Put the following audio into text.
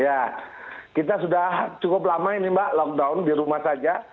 ya kita sudah cukup lama ini mbak lockdown di rumah saja